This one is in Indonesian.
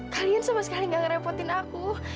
kalian sama sekali gak ngerepotin aku